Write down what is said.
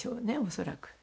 恐らく。